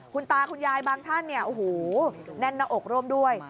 คุณตาคุณยายบางท่านเนี่ยโอ้โหแน่นหน้าอกร่วมด้วย